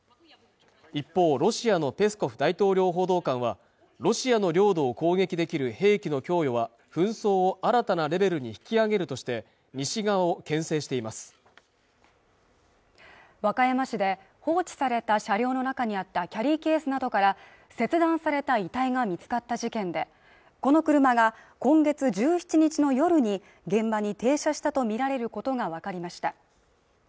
一方ロシアのペスコフ大統領報道官はロシアの領土を攻撃できる兵器の供与は紛争を新たなレベルに引き上げるとして西側をけん制しています和歌山市で放置された車両の中にあったキャリーケースなどから切断された遺体が見つかった事件でこの車が今月１７日の夜に現場に停車したと見られることが分かりました